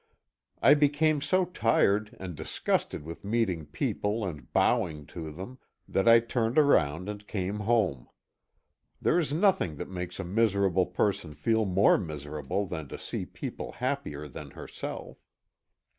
I became so tired and disgusted with meeting people and bowing to them, that I turned around and came home. There is nothing that makes a miserable person feel more miserable than to see people happier than herself.